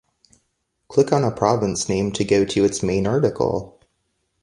Click on a province name to go to its main article.